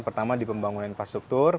pertama di pembangunan infrastruktur